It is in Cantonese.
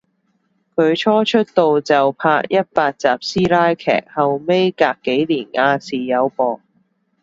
佢初出道就拍一百集師奶劇，後尾隔幾年亞視有播